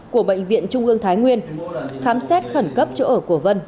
của bệnh viện trung ương thái nguyên khám xét khẩn cấp chỗ ở của vân